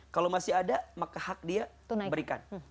kalau masih ada maka hak dia berikan